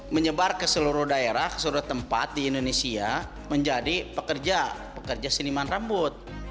menyebar ke seluruh daerah ke seluruh tempat di indonesia menjadi pekerja pekerja siniman rambut